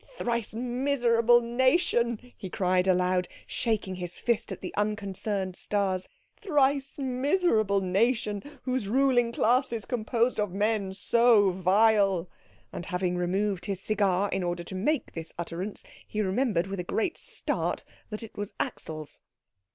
"Thrice miserable nation!" he cried aloud, shaking his fist at the unconcerned stars, "thrice miserable nation, whose ruling class is composed of men so vile!" And, having removed his cigar in order to make this utterance, he remembered, with a great start, that it was Axel's.